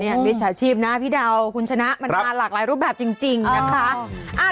มิจฉาชีพนะพี่เดาคุณชนะมันมาหลากหลายรูปแบบจริงนะคะ